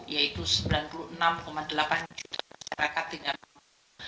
yaitu sembilan puluh enam delapan juta masyarakat dengan